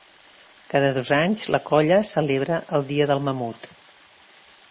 Cada dos anys la colla celebra el Dia del Mamut.